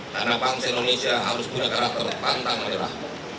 karena bangsa indonesia harus punya karakter pantang menyerah